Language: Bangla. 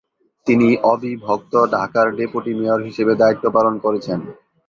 তিনি অবিভক্ত ঢাকার ডেপুটি মেয়র হিসেবে দায়িত্ব পালন করেছেন।